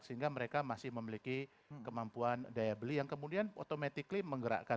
sehingga mereka masih memiliki kemampuan daya beli yang kemudian automatically menggerakkan